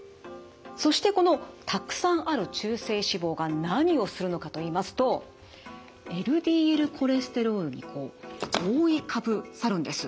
そしてこのたくさんある中性脂肪が何をするのかといいますとＬＤＬコレステロールに覆いかぶさるんです。